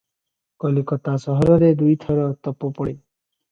କଲିକତା ସହରରେ ଦୁଇ ଥର ତୋପ ପଡ଼େ ।